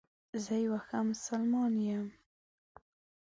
زه یو ښه مسلمان یم